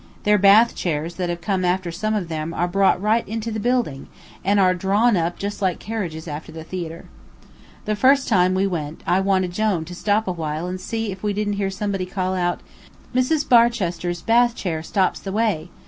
The bath chairs that have come after some of them are brought right into the building, and are drawn up just like carriages after the theatre. The first time we went I wanted Jone to stop a while and see if we didn't hear somebody call out, "Mrs. Barchester's bath chair stops the way!"